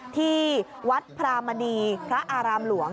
ที่วัดพรามณีพระอารามหลวง